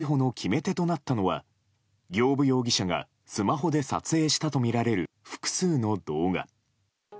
逮捕の決め手となったのは行歩容疑者がスマホで撮影したとみられる複数の動画。